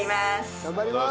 頑張ります！